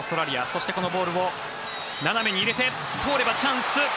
そして、このボールを斜めに入れて通ればチャンス。